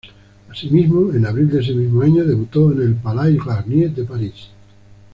Asimismo, en abril de ese mismo año, debutó en el Palais Garnier de París.